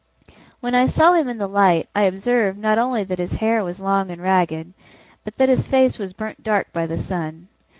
When I saw him in the light, I observed, not only that his hair was long and ragged, but that his face was burnt dark by the sun.